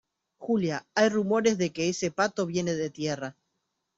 Julia, hay rumores de que ese pato viene de tierra